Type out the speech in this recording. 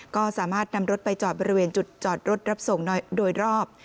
ก็สามารถนำรถไปจอดบริเวณจุดจอดรถรับส่งโดยรอบ